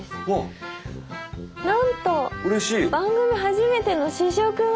なんと番組初めての試食が。